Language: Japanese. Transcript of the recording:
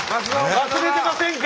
忘れてませんか？